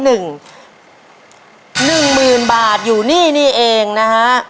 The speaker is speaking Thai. ๑หมื่นบาทอยู่นี่เองนะฮะ